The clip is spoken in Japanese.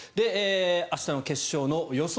明日の決勝の予想